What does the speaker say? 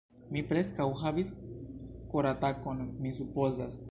Mi preskaŭ havis koratakon, mi supozas.